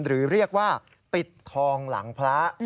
หรือเรียกว่าปิดทองหลังพระ